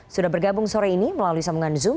sudah bergabung sore ini melalui sambungan zoom